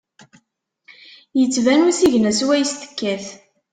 Ittban usigna syawes tekkat.